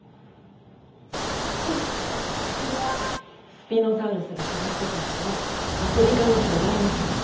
スピノサウルスが暮らしてたのはアフリカの巨大な河口。